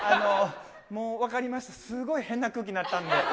もう分かりました、すごい、変な空気になったんで。